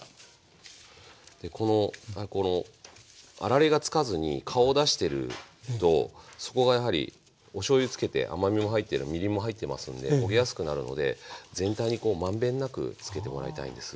でこのあられがつかずに顔を出してるとそこがやはりおしょうゆつけて甘みも入ってるみりんも入ってますんで焦げやすくなるので全体にこう満遍なくつけてもらいたいんです。